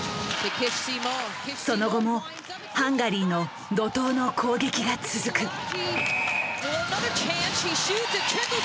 その後もハンガリーの怒とうの攻撃が続く。